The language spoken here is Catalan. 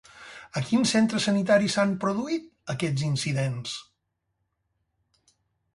A quin centre sanitari s'han produït aquests incidents?